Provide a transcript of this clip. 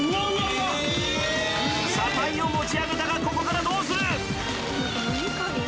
車体を持ち上げたがここからどうする？